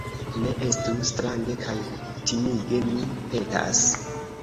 Ne estu strange kaj timige, mi petas